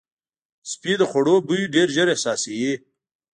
سپي د خوړو بوی ډېر ژر احساسوي.